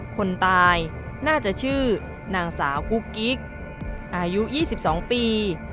คนตายน่าจะชื่อนางสาวกุ๊กกิ๊กอายุ๒๒ปี